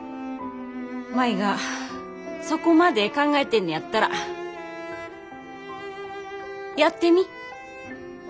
舞がそこまで考えてんねやったらやってみ。